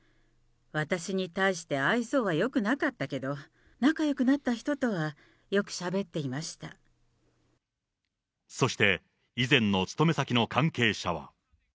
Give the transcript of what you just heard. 私に対して愛想はよくなかったけど、仲よくなった人とはよくしゃそして、以前の勤め先の関係者は。